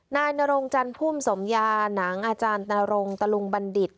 นายนรงจันทร์พุ่มสมยาหนังอาจารย์นรงตะลุงบัณฑิต